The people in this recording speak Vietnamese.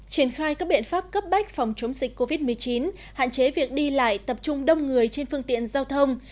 triển khai các biện pháp cấp bách phòng chống dịch covid một mươi chín hạn chế việc đi lại tập trung đông người trên phương tiện giao thông